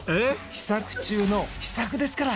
秘策中の秘策ですから。